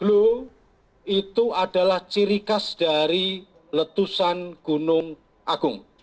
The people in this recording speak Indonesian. blue itu adalah ciri khas dari letusan gunung agung